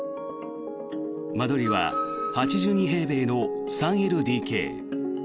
間取りは８２平米の３ＬＤＫ。